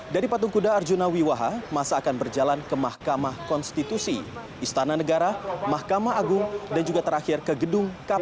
dari patung kuda arjuna wiwaha masa akan berjalan ke mahkamah konstitusi istana negara mahkamah agung dan juga terakhir ke gedung kpk